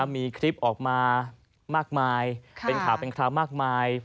มีคลิปออกมามากมายเป็นข่าวเป็นคราวมากมาย